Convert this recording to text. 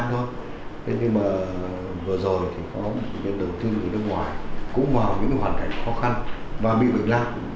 nhưng mà vừa rồi thì có những đồng tiên người nước ngoài cũng vào những hoàn cảnh khó khăn và bị bệnh lào